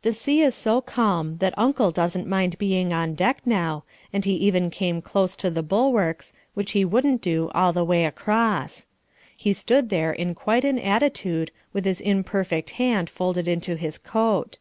The sea is so calm that Uncle doesn't mind being on deck now, and he even came close to the bulwarks, which he wouldn't do all the way across. He stood there in quite an attitude with his imperfect hand folded into his coat.